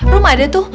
rom ada tuh